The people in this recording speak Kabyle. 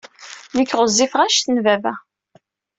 Nekk ɣezzifeɣ anect n baba.